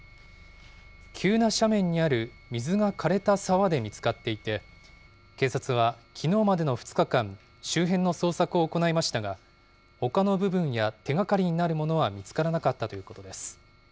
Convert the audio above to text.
急な斜面にある水がかれた沢で見つかっていて、警察はきのうまでの２日間、周辺の捜索を行いましたが、ほかの部分や、手がかりになるものは見つからなかったということです。